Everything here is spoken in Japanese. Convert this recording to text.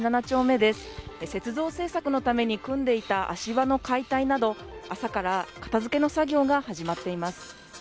７丁目です雪像製作のために組んでいた足場の解体など朝から片づけの作業が始まっています